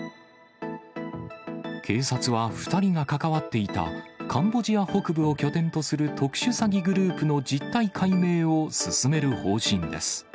警察は２人が関わっていた、カンボジア北部を拠点とする特殊詐欺グループの実態解明を進める方針です。